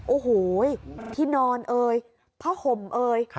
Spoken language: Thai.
โอ้โฮพี่นอนเอยพ่อฮมเอย